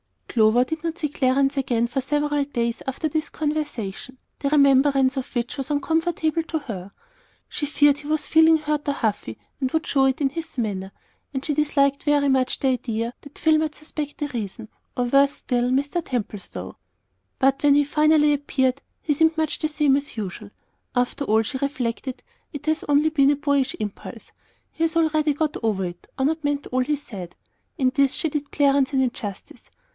Clover did not see Clarence again for several days after this conversation, the remembrance of which was uncomfortable to her. She feared he was feeling hurt or "huffy," and would show it in his manner; and she disliked very much the idea that Phil might suspect the reason, or, worse still, Mr. Templestowe. But when he finally appeared he seemed much the same as usual. After all, she reflected, it has only been a boyish impulse; he has already got over it, or not meant all he said. In this she did Clarence an injustice.